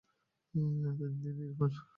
তিন দিন ইরফান!